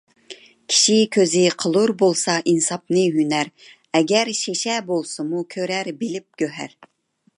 كىشى كۆزى قىلۇر بولسا ئىنساپنى ھۈنەر، ئەگەر شېشە بولسىمۇ كۆرەر بىلىپ گۆھەر.